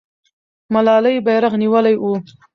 ملالۍ بیرغ نیولی وو.